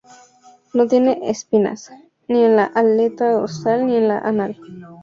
No tienen espinas, ni en la aleta dorsal ni en la anal.